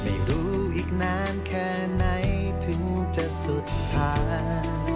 ไม่รู้อีกนานแค่ไหนถึงจะสุดท้าย